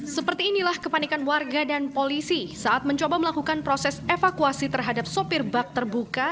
seperti inilah kepanikan warga dan polisi saat mencoba melakukan proses evakuasi terhadap sopir bak terbuka